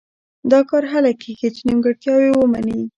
دا کار هله کېږي چې نیمګړتیاوې ومني.